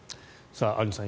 アンジュさん